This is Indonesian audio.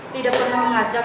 tidak pernah mengajak